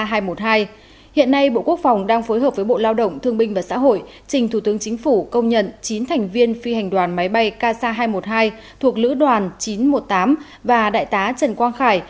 hiện nay bộ quốc phòng đang phối hợp với bộ lao động thương binh và xã hội trình thủ tướng chính phủ công nhận chín thành viên phi hành đoàn máy bay kc hai trăm một mươi hai thuộc lữ đoàn chín trăm một mươi tám và đại tá trần quang khải